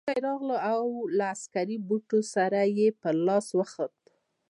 ساتونکی راغی او له عسکري بوټو سره یې پر لاس وخوت.